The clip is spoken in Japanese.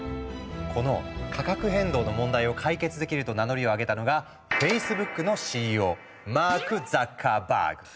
この価格変動の問題を解決できると名乗りを上げたのがフェイスブックのＣＥＯマーク・ザッカーバーグ。